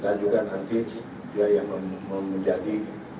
dan juga nanti dia yang menjadi